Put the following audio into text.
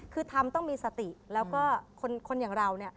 คือทำต้องมีสติแล้วก็คนอย่างเราเนี่ย